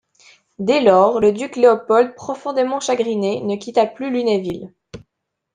Dès lors, le duc Léopold, profondément chagriné, ne quitta plus Lunéville.